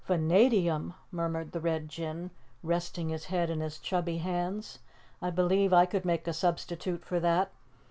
"Vanadium?" murmured the Red Jinn, resting his head in his chubby hands. "I believe I could make a substitute for that.